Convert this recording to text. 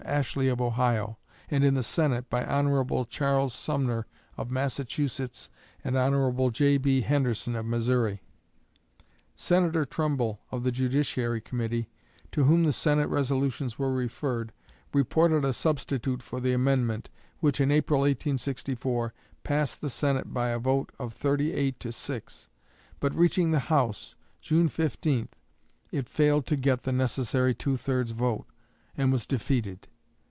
Ashley of Ohio, and in the Senate by Hon. Charles Sumner of Massachusetts and Hon. J.B. Henderson of Missouri. Senator Trumbull of the Judiciary Committee, to whom the Senate resolutions were referred, reported a substitute for the amendment, which, in April, 1864, passed the Senate by a vote of thirty eight to six; but reaching the House, June 15, it failed to get the necessary two thirds vote and was defeated.